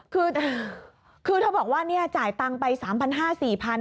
คือเธอบอกว่าจ่ายตังค์ไป๓๕๐๐๔๐๐บาท